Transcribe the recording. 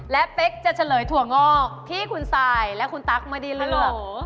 และเป๊กจะเฉลยถั่วงอกที่คุณซายและคุณตั๊กไม่ได้เลือก